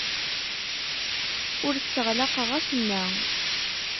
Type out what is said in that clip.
Ur tteɣlaqeɣ acemma.